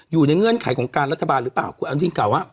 อยู่ในเงื่อนไขของการรัฐบาลหรือเปล่ากูเอาที่เก่า